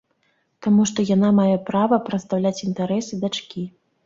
Таму што яна мае права прадстаўляць інтарэсы дачкі.